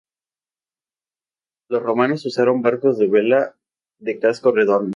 Los romanos usaron barcos de vela de casco redondo.